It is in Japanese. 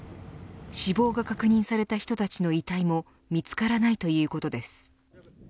死亡が確認された人たちの遺体も見つからないということです。